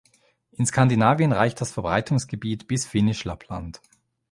In Skandinavien reicht das Verbreitungsgebiet bis Finnisch-Lappland.